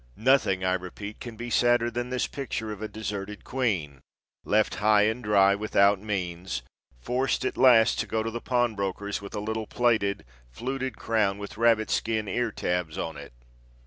Nothing, I repeat, can be sadder than this picture of a deserted queen, left high and dry, without means, forced at last to go to the pawnbrokers with a little plated, fluted crown with rabbit skin ear tabs on it!